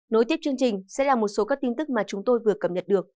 nối tiếp chương trình sẽ là một số các tin tức mà chúng tôi vừa cập nhật được